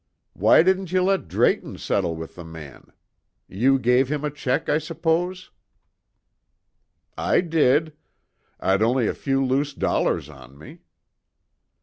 Why didn't you let Drayton settle with the man? You gave him a cheque, I suppose?" "I did; I'd only a few loose dollars on me.